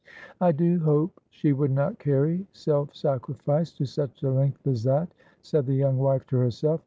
"I do hope she would not carry self sacrifice to such a length as that," said the young wife to herself.